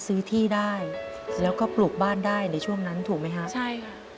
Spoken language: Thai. ย้อนไปสักนิดหนึ่งละก่อนที่จะมีน้องทีนะครับ